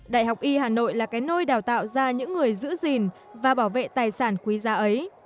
đại học y hà nội là cái nơi đào tạo ra những người giữ gìn và bảo vệ tài sản quý giá ấy